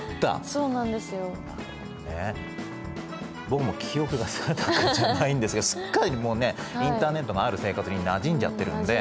僕も記憶が定かじゃないんですがすっかりインターネットがある生活になじんじゃってるんで。